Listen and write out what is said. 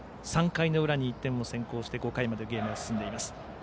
３回の裏に１点を先行して５回までゲームが進んでいます。